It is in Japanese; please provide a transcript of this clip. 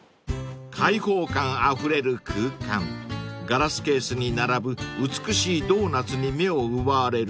［開放感あふれる空間ガラスケースに並ぶ美しいドーナツに目を奪われる］